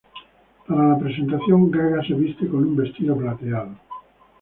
Para la presentación, Gaga se viste con un vestido plateado.